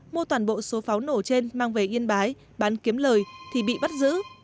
mua toàn bộ số pháo nổ trên mang về yên bái bán kiếm lời thì bị bắt giữ